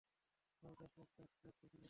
ওনার just এক cup black coffee লাগবে।